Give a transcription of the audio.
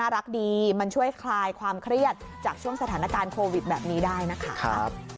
รักดีมันช่วยคลายความเครียดจากช่วงสถานการณ์โควิดแบบนี้ได้นะคะ